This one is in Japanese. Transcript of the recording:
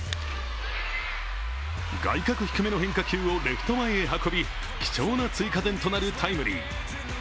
外角低めの変化球をレフト前へ運び貴重な追加点となるタイムリー。